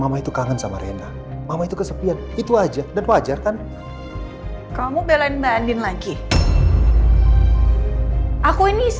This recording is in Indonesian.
mama itu kangen sama rena mama itu kesepian itu aja dan wajar kan kamu belain bandin lagi aku ini